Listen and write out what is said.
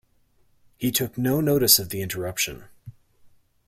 He took no notice of the interruption.